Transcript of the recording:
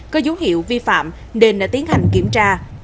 có dấu hiệu vi phạm nên đã tiến hành kiểm tra